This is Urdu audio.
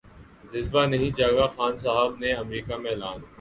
جذبہ نہیں جاگا خان صاحب نے امریکہ میں اعلان